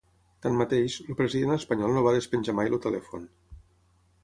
Tanmateix, el president espanyol no va despenjar mai el telèfon.